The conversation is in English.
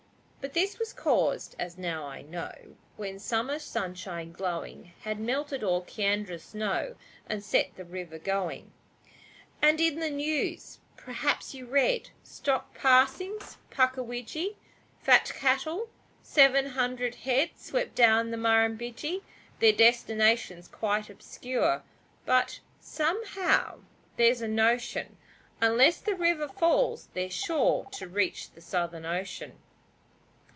But this was caused (as now I know) When summer sunshine glowing Had melted all Kiandra's snow And set the river going. And in the news, perhaps you read: 'Stock passings. Puckawidgee, Fat cattle: Seven hundred head Swept down the Murrumbidgee; Their destination's quite obscure, But, somehow, there's a notion, Unless the river falls, they're sure To reach the Southern Ocean.'